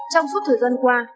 trong suốt thời gian qua